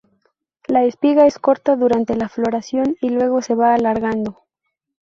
La espiga es corta durante la floración y luego se va alargando.